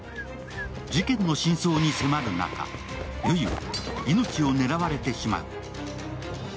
事件の真相に迫る中、悠依は命を狙われてしまう。